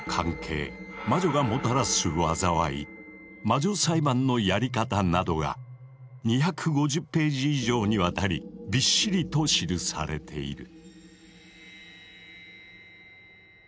魔女裁判のやり方などが２５０ページ以上にわたりびっしりと記されている。